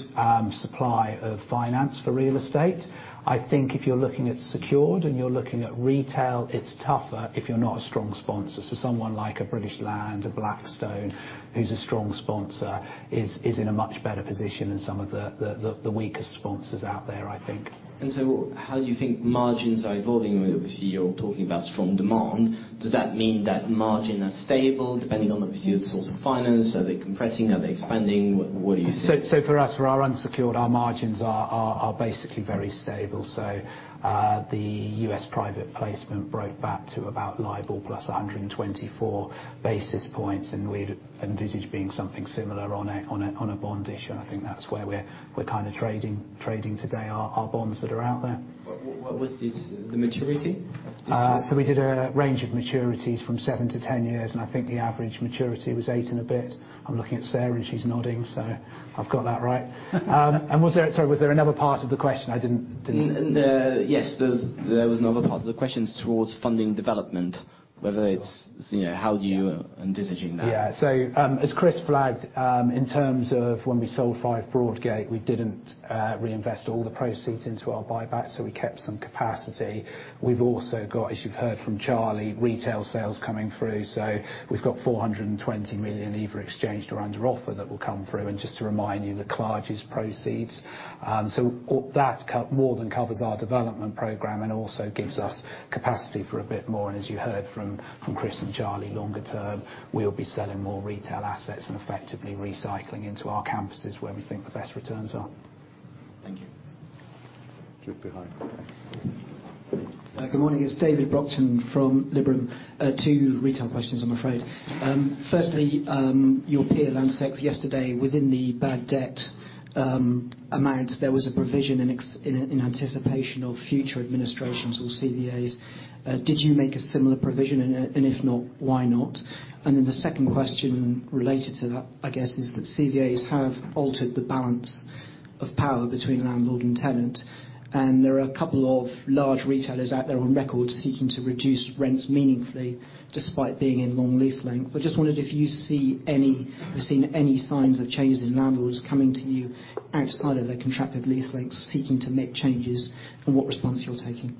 supply of finance for real estate. I think if you're looking at secured and you're looking at retail, it's tougher if you're not a strong sponsor. Someone like a British Land, a Blackstone who's a strong sponsor is in a much better position than some of the weakest sponsors out there, I think. How do you think margins are evolving? Obviously, you're talking about strong demand. Does that mean that margin are stable, depending on obviously the source of finance? Are they compressing? Are they expanding? What do you see? For us, for our unsecured, our margins are basically very stable. The U.S. private placement broke back to about LIBOR plus 124 basis points, and we'd envisage being something similar on a bond issue. I think that's where we're kind of trading today, our bonds that are out there. What was this, the maturity? We did a range of maturities from seven to 10 years, and I think the average maturity was eight and a bit. I'm looking at Sarah, and she's nodding, so I've got that right. Was there, sorry, was there another part of the question? Yes, there was another part of the question towards funding development. Sure you know, how you are envisaging that. Yeah. As Chris flagged, in terms of when we sold 5 Broadgate, we didn't reinvest all the proceeds into our buyback, we kept some capacity. We've also got, as you've heard from Charlie, retail sales coming through. We've got 420 million either exchanged or under offer that will come through. Just to remind you, the Clarges proceeds. All that more than covers our development program and also gives us capacity for a bit more. As you heard from Chris and Charlie, longer term, we'll be selling more retail assets and effectively recycling into our campuses where we think the best returns are. Thank you. Just behind on that. Good morning. It's David Brockton from Liberum. Two retail questions, I'm afraid. Firstly, your peer, Landsec, yesterday, within the bad debt amount, there was a provision in anticipation of future administrations or CVAs. Did you make a similar provision? If not, why not? The second question related to that, I guess, is that CVAs have altered the balance of power between landlord and tenant, and there are a couple of large retailers out there on record seeking to reduce rents meaningfully despite being in long lease lengths. I just wondered if you see any signs of changes in landlords coming to you outside of their contracted lease lengths seeking to make changes and what response you're taking.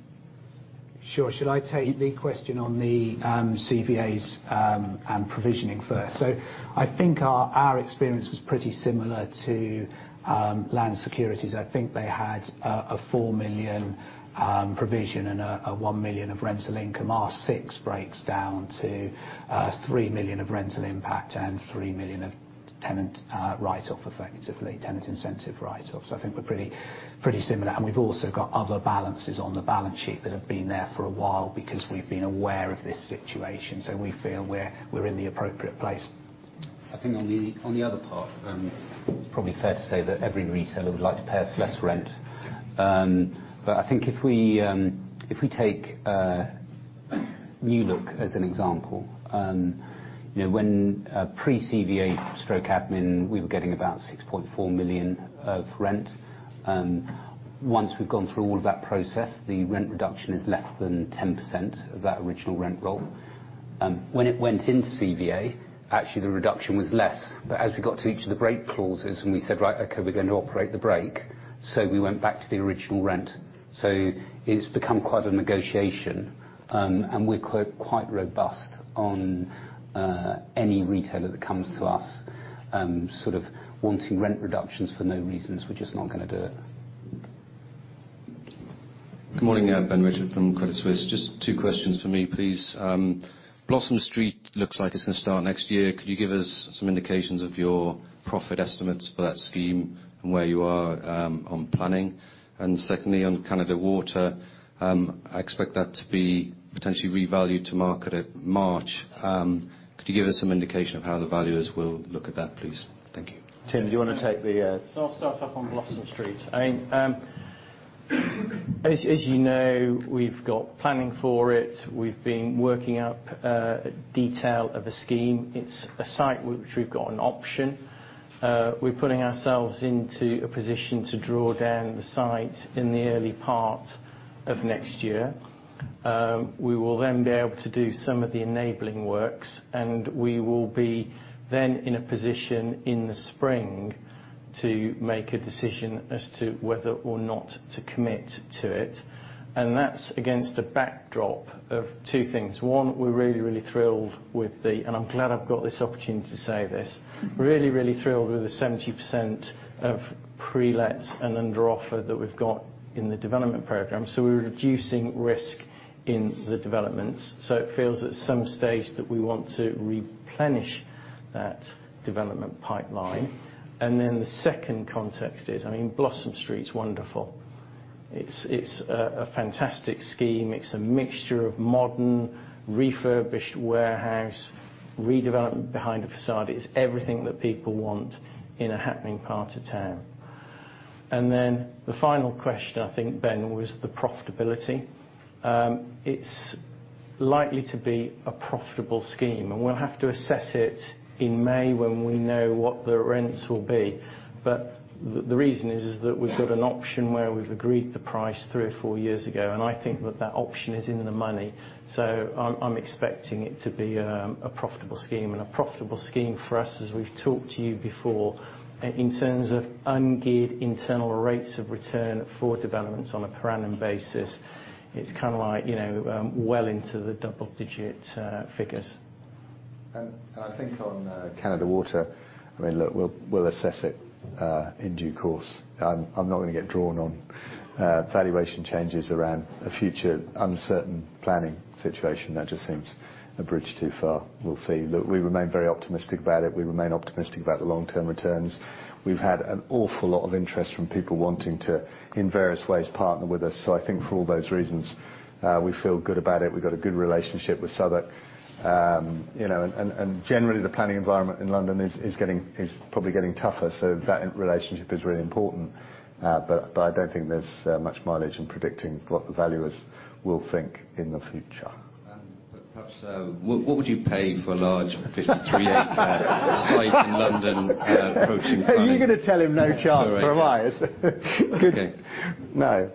Sure. Should I take the question on the CVAs and provisioning first? I think our experience was pretty similar to Land Securities. I think they had a 4 million provision and a 1 million of rental income. Our 6 million breaks down to 3 million of rental impact and 3 million of tenant write-off, effectively, tenant incentive write-off. I think we're pretty similar. We've also got other balances on the balance sheet that have been there for a while because we've been aware of this situation. We feel we're in the appropriate place. I think on the, on the other part, probably fair to say that every retailer would like to pay us less rent. I think if we take New Look as an example, you know, when pre-CVA stroke admin, we were getting about 6.4 million of rent. Once we've gone through all of that process, the rent reduction is less than 10% of that original rent roll. When it went into CVA, actually, the reduction was less. As we got to each of the break clauses and we said, "Right. Okay, we're going to operate the break," we went back to the original rent. It's become quite a negotiation. We're quite robust on any retailer that comes to us sort of wanting rent reductions for no reasons. We're just not gonna do it. Good morning. Ben Richford from Credit Suisse. Just two questions from me, please. Blossom Street looks like it's gonna start next year. Could you give us some indications of your profit estimates for that scheme and where you are on planning? Secondly, on Canada Water, I expect that to be potentially revalued to market at March. Could you give us some indication of how the valuers will look at that, please? Tim, do you want to take? I'll start off on Blossom Street. As you know, we've got planning for it. We've been working up a detail of a scheme. It's a site which we've got an option. We're putting ourselves into a position to draw down the site in the early part of next year. We will then be able to do some of the enabling works, and we will be then in a position in the spring to make a decision as to whether or not to commit to it. That's against a backdrop of two things. One, we're really, really thrilled with the and I'm glad I've got this opportunity to say this, really, really thrilled with the 70% of pre-lets and under offer that we've got in the development program. We're reducing risk in the developments. It feels at some stage that we want to replenish that development pipeline. The second context is, Blossom Street's wonderful. It's a fantastic scheme. It's a mixture of modern, refurbished warehouse, redevelopment behind a facade. It's everything that people want in a happening part of town. The final question, I think, Ben, was the profitability. It's likely to be a profitable scheme, and we'll have to assess it in May when we know what the rents will be. The reason is that we've got an option where we've agreed the price three or four years ago, and I think that that option is in the money. I'm expecting it to be a profitable scheme. A profitable scheme for us, as we've talked to you before, in terms of ungeared internal rates of return for developments on a per annum basis, it's kind of like well into the double-digit figures. I think on Canada Water, look, we'll assess it in due course. I'm not going to get drawn on valuation changes around a future uncertain planning situation. That just seems a bridge too far. We'll see. Look, we remain very optimistic about it. We remain optimistic about the long-term returns. We've had an awful lot of interest from people wanting to, in various ways, partner with us. I think for all those reasons, we feel good about it. We've got a good relationship with Southwark Council. Generally, the planning environment in London is probably getting tougher, so that relationship is really important. I don't think there's much mileage in predicting what the valuers will think in the future. What would you pay for a large 53-acre site in London approaching planning- Are you going to tell him no chance for a rise? Okay. No.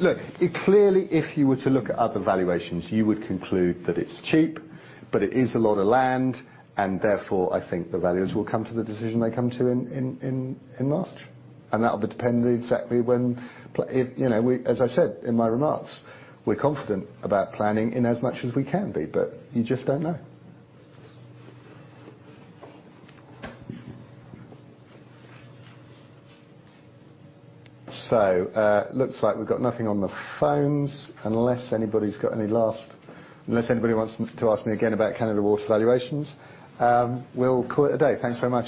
Look, clearly if you were to look at other valuations, you would conclude that it's cheap, but it is a lot of land, and therefore, I think the valuers will come to the decision they come to in March. That'll be dependent exactly when. As I said in my remarks, we're confident about planning in as much as we can be, but you just don't know. Looks like we've got nothing on the phones. Unless anybody wants to ask me again about Canada Water valuations, we'll call it a day. Thanks very much.